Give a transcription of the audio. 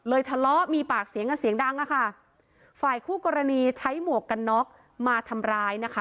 ทะเลาะมีปากเสียงกันเสียงดังอะค่ะฝ่ายคู่กรณีใช้หมวกกันน็อกมาทำร้ายนะคะ